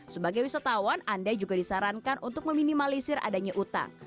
sebagai wisatawan anda juga disarankan untuk meminimalisir adanya utang